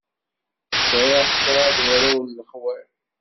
Sɛiɣ kraḍ warraw n lexwal.